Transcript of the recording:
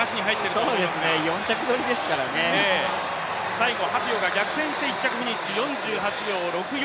最後ハピオが逆転してフィニッシュ、４８秒６４。